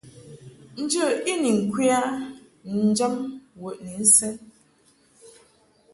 Njə i ni ŋkwe a njam wəʼni nsɛn.